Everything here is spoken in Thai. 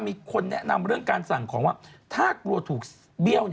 มีคนแนะนำเรื่องการสั่งของว่าถ้ากลัวถูกเบี้ยว